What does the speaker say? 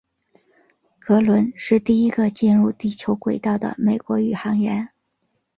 格伦是第一个进入地球轨道的美国宇航员。